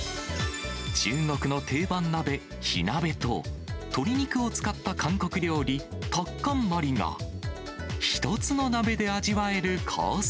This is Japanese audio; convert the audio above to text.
中国の定番鍋、火鍋と、鶏肉を使った韓国料理、タッカンマリが、１つの鍋で味わえるコース